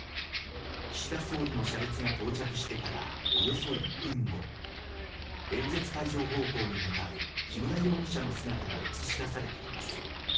岸田総理の車列が到着してからおよそ１分後演説会場方向に向かう木村容疑者の姿が映し出されています。